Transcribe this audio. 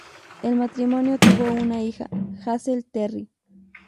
El matrimonio tuvo una hija, Hazel Terry.